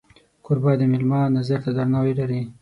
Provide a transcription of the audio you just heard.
کوربه د میلمه نظر ته درناوی لري.